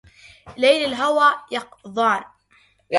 ليل الهوى يقظان